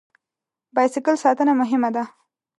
بایسکل ساتنه مهمه ده.